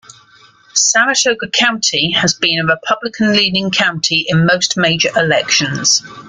Saratoga County has been a Republican-leaning county in most major elections.